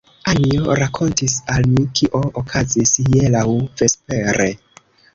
Anjo rakontis al mi, kio okazis hieraŭ vespere.